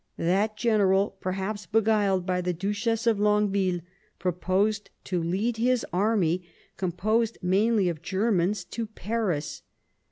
That general, perhaps beguiled by the Duchess of Longueville, proposed to lead his army, composed mainly of Germans, to Paris.